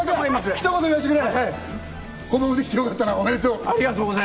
ひと言、言わせてくれ！